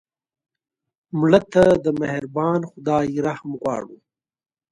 مړه ته د مهربان خدای رحم غواړو